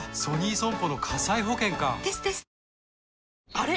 あれ？